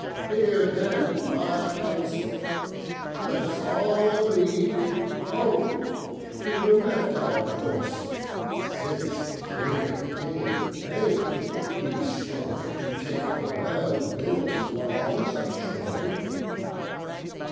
Hear then my counsel; let us all agree Home to direct our course, since here in vain We strive to take the well built walls of Troy."